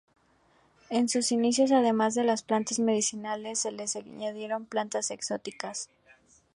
En sus inicios además de las plantas medicinales se les añadieron plantas exóticas.